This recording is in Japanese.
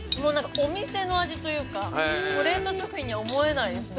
お店の味というか、冷凍食品には思えないですね。